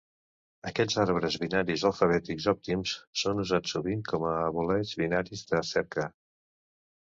Aquests arbres binaris alfabètics òptims són usats sovint com aboleix binaris de cerca.